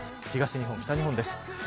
東日本、北日本です。